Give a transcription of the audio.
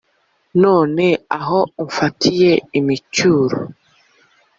none aho ufatiye imicyuro